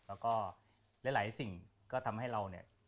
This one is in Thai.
แล้วก็หลายสิ่งก็ทำให้เราเนี่ย